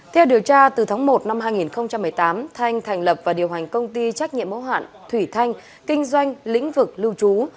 theo điều tra từ tháng một năm hai nghìn một mươi tám thanh thành lập và điều hành công ty trách nhiệm mẫu hạn thủy thanh kinh doanh lĩnh vực lưu trú